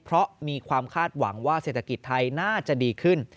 เพราะมีความคาดหวังว่าเศรษฐกิจไทยน่าจะดีขึ้น